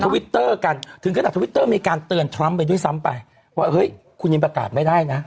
วิตเตอร์กันถึงขนาดทวิตเตอร์มีการเตือนทรัมป์ไปด้วยซ้ำไปว่าเฮ้ยคุณยังประกาศไม่ได้นะ